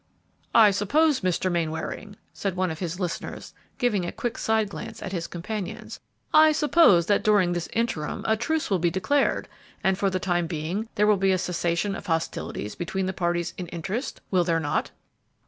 "I suppose, Mr. Mainwaring," said one of his listeners, giving a quick side glance at his companions, "I suppose that during this interim a truce will be declared, and for the time being there will be a cessation of hostilities between the parties in interest, will there not?"